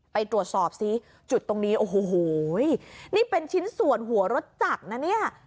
ไปตรวจสอบซิจุดตรงนี้โอ้โหนี่เป็นชิ้นส่วนหัวรถจักรนะเนี่ย